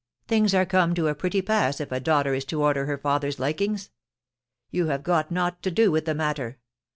* Things are come to a pretty pass if a daughter is to order her father's likings. You have got nought to do with the matter.